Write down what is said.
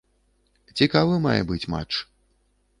Цікавы мае быць матч.